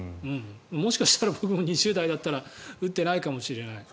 もしかしたら僕も２０代だったら打ってないかもしれない。